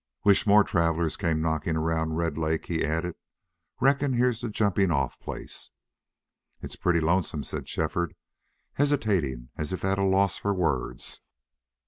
"Wish more travelers came knocking around Red Lake," he added. "Reckon here's the jumping off place." "It's pretty lonesome," said Shefford, hesitating as if at a loss for words.